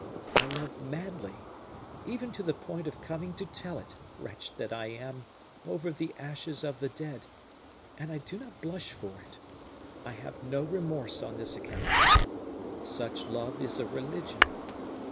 I love madly, even to the point of coming to tell it, wretch that I am, over the ashes of the dead, and I do not blush for it I have no remorse on this account. Such love is a religion.